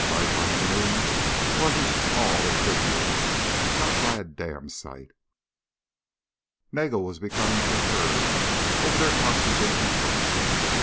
Life on the moon wasn't all it could be. Not by a damn sight. Nagel was becoming perturbed over their oxygen consumption.